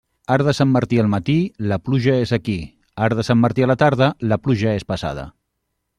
Arc de Sant Martí al matí, la pluja és aquí; arc de Sant Martí a la tarda, la pluja és passada.